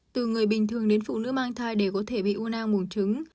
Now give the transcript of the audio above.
từ người bình thường đến phụ nữ mang thai để có thể bị u nang buông trứng